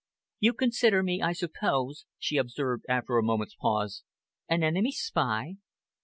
"You consider me, I suppose," she observed after a moment's pause, "an enemy spy?"